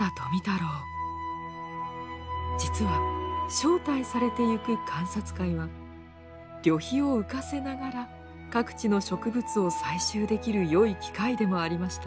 実は招待されて行く観察会は旅費を浮かせながら各地の植物を採集できるよい機会でもありました。